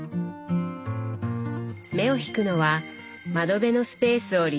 目を引くのは窓辺のスペースを利用した棚。